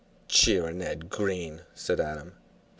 "Cheering Ed Green!" said Adam.